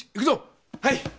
はい。